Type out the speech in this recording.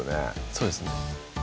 そうですね